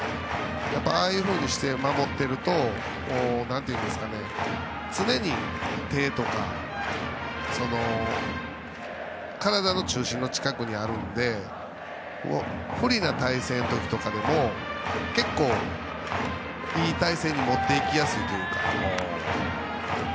ああいうふうにして守っていると常に手とか体の中心の近くにあるので不利な体勢のときでも結構、いい体勢に持っていきやすいというか。